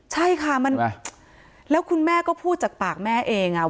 ใช่ค่ะมันแล้วคุณแม่ก็พูดจากปากแม่เองอ่ะ